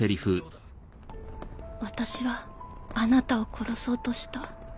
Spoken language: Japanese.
私はあなたを殺そうとした。